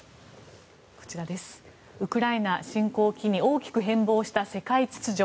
ウクライナ侵攻を機に大きく変貌した世界秩序。